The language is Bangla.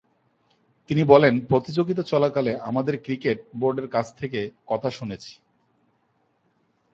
তিনি বলেন, 'প্রতিযোগিতা চলাকালে আমাদের ক্রিকেট বোর্ডের কাছ থেকে কথা শুনেছি।